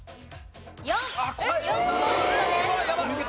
４。４ポイントです。